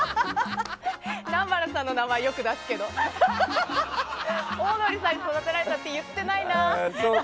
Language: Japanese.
南原さんの名前はよく出すけどオードリーさんに育てられたって言ってないな。